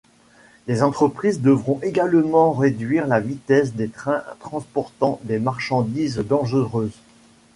Les entreprises devront également réduire la vitesse des trains transportant des marchandises dangereuses.